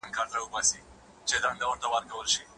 خلګو د ميرويس خان نيکه تر سیوري لاندې څنګه ژوند کاوه؟